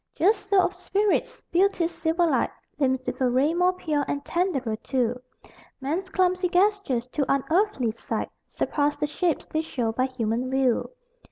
Just so of spirits. Beauty's silver light Limns with a ray more pure, and tenderer too: Men's clumsy gestures, to unearthly sight, Surpass the shapes they show by human view.